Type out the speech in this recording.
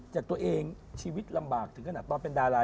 จากตัวเองชีวิตลำบากถึงขนาดตอนเป็นดารา